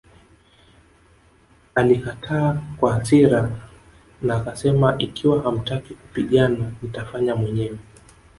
Alikataa kwa hasira na akasema Ikiwa hamtaki kupigana nitafanya mwenyewe